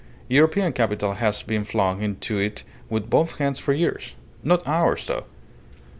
European capital has been flung into it with both hands for years. Not ours, though.